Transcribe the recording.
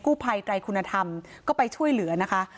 ผู้ภัยไตรคุณธรรมก็ไปช่วยเหลือนะคะ